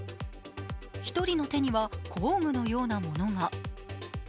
１人の手には、工具のようなものが。